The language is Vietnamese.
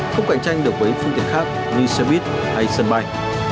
không cạnh tranh được với phương tiện khác như xe buýt hay sân bay